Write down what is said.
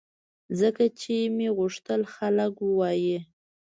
ځکه چې مې غوښتل خلک ووایي